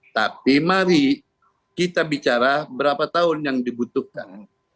tapi mari kita bicara berapa tahun yang dibutuhkan